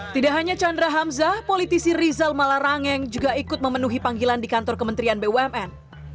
tidak hanya chandra hamzah politisi rizal malarangeng juga ikut memenuhi panggilan di kantor kementerian bumn